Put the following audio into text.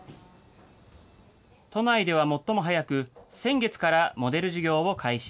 都内では最も早く、先月からモデル事業を開始。